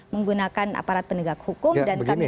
menggunakan aparat penegak hukum dan kami